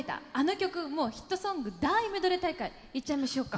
もうヒットソング大メドレー大会いっちゃいましょうか。